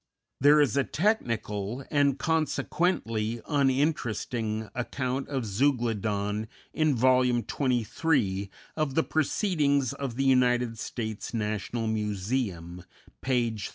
There is a technical and, consequently, uninteresting account of Zeuglodon in Vol. XXIII. of the "Proceedings of the United States National Museum," page 327.